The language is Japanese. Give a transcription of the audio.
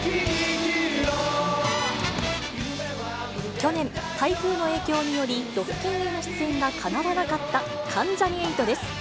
去年、台風の影響により、ロッキンへの出演がかなわなかった関ジャニ∞です。